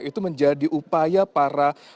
itu menjadi upaya para